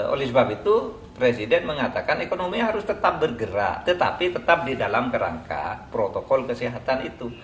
oleh sebab itu presiden mengatakan ekonomi harus tetap bergerak tetapi tetap di dalam kerangka protokol kesehatan itu